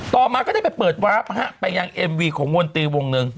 มาก็ได้ไปเปิดวาร์ฟฮะไปยังเอ็มวีของมนตรีวงหนึ่ง